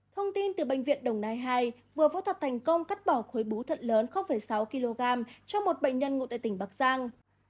thông tin từ bệnh viện đồng nai hai vừa phẫu thuật thành công cắt bỏ khối bú thận lớn sáu kg cho một bệnh nhân ngụ tại tỉnh bắc giang